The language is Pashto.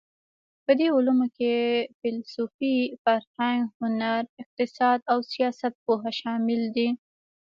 په دې علومو کې فېلسوفي، فرهنګ، هنر، اقتصاد او سیاستپوهه شامل دي.